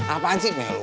apaan sih melu